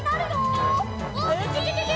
ウキキキ！